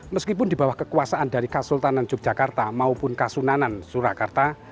meskipun di bawah kekuasaan dari kasultanan yogyakarta maupun kasunanan surakarta